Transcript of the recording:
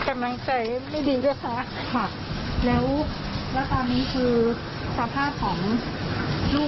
เอาที่คุณแม่โอเคเขารักษาภาพกับแม่ว่ายังไง